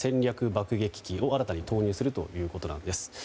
爆撃機を新たに投入するということです。